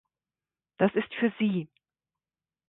Das ist für Sie.